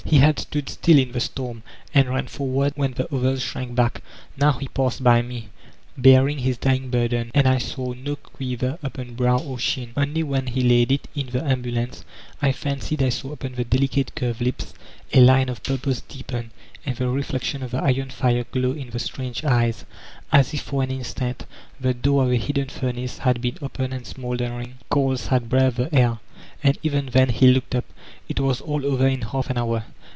He had stood still in the storm, and ran forward when the others shrank back. Now he passed by me, bearing his dying burden, and I saw no quiver upon brow or chin ; only, when he laid it in the ambulance, I fancied I saw upon the delicate ctirved lips a line of purpose deepen, and the reflection of the iron fire glow in the strange eyes, as if for an instant the door of a hidden furnace had been opened and smoulder 412 VOLTAIBINE DE ClEYBE ing coals had breathed the air. And even then he looked up! It was all over in half an hour.